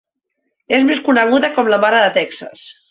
És més coneguda com la Mare de Texas.